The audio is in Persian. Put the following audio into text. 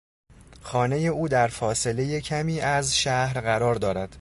خانهی او در فاصلهی کمی از شهر قرار دارد.